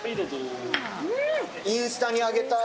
インスタに上げたい。